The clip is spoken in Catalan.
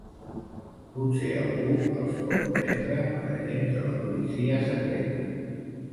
Potser algú els pot prendre per agents de la policia secreta.